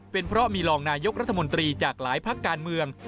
เป็นเพราะมีรองนายกรัฐมนตรีจากหลายพักการเมือง